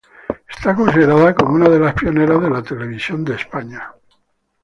Está considerada como una de las pioneras de la televisión en España.